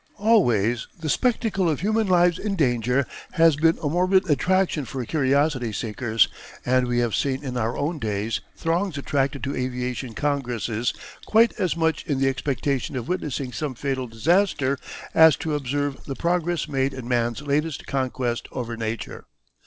Always the spectacle of human lives in danger has a morbid attraction for curiosity seekers, and we have seen in our own days throngs attracted to aviation congresses quite as much in the expectation of witnessing some fatal disaster, as to observe the progress made in man's latest conquest over nature.